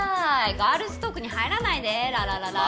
ガールズトークに入らないでララララーイ。